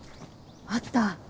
あった。